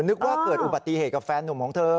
นึกว่าเกิดอุบัติเหตุกับแฟนหนุ่มของเธอ